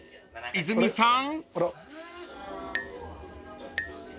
泉さん］